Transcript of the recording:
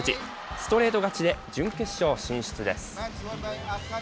ストレート勝ちで準決勝進出です。